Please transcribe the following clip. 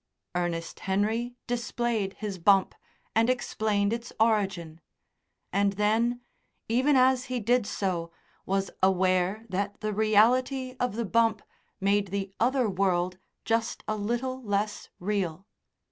Ernest Henry displayed his bump, and explained its origin; and then, even as he did so, was aware that the reality of the bump made the other world just a little less real.